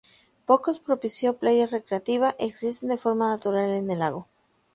Pocos propicio playas recreativa existen de forma natural en el lago.